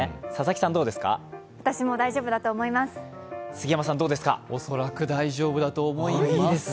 私も大丈夫だと思います。